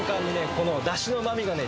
このだしの旨みがね